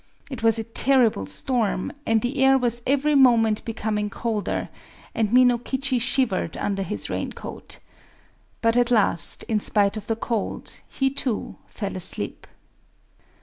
It was a terrible storm; and the air was every moment becoming colder; and Minokichi shivered under his rain coat. But at last, in spite of the cold, he too fell asleep.